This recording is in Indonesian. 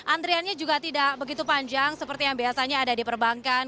antriannya juga tidak begitu panjang seperti yang biasanya ada di perbankan